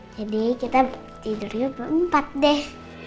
jadi kita tidurnya berempat deh